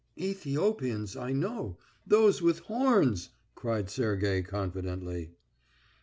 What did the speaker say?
"Ethiopians, I know. Those with horns," cried Sergey, confidently.